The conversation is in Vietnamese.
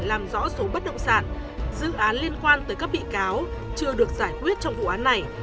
làm rõ số bất động sản dự án liên quan tới các bị cáo chưa được giải quyết trong vụ án này